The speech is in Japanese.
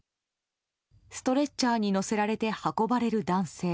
ストレッチャーに乗せられて運ばれる男性。